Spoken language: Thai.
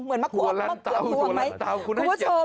เหมือนมะเขือพ่วงไหม